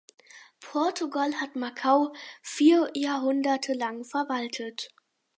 Portugal hat Macau vier Jahrhunderte lang verwaltet.